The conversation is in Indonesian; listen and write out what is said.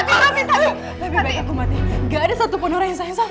tanti gak ada satu orang yang sayang sama aku